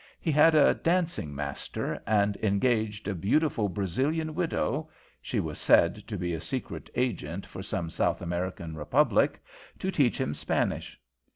He had a dancing master, and engaged a beautiful Brazilian widow she was said to be a secret agent for some South American republic to teach him Spanish.